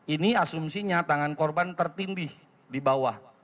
ini asumsinya tangan korban tertindih di bawah